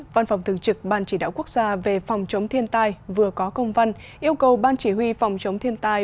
văn phòng thường trực ban chỉ đạo quốc gia về phòng chống thiên tai vừa có công văn yêu cầu ban chỉ huy phòng chống thiên tai